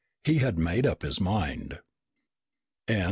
He had made up his mind.